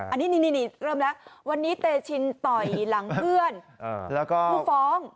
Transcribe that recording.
อันนี้เริ่มแล้ววันนี้เตชินต่อยหลังเพื่อนแล้วก็ผู้ฟ้อง